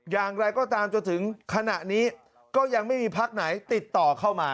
อย่างไรก็ตามจนถึงขณะนี้ก็ยังไม่มีพักไหนติดต่อเข้ามา